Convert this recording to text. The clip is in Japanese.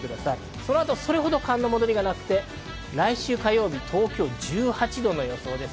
そのあと、それほど寒の戻りがなく、来週火曜日、東京は１８度の予想です。